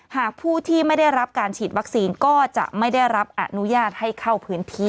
หากผู้ที่ไม่ได้รับการฉีดวัคซีนก็จะไม่ได้รับอนุญาตให้เข้าพื้นที่